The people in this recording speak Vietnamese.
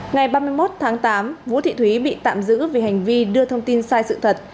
ngày ba mươi một tháng tám vũ thị thúy bị tạm giữ vì hành vi đưa thông tin sai sự thật